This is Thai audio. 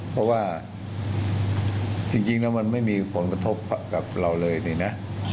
เพราะว่าจริงแล้วมันไม่มีผลกระทบกับเราเลยนี่นะ